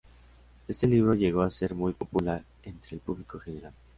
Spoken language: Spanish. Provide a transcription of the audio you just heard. Este libro llegó a ser muy popular entre el público general.